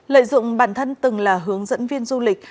lợi dụng bản thân từng là hướng dẫn viên du lịch